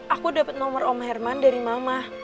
aku dapat nomor om herman dari mama